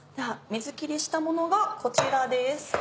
水切りしたものがこちらです。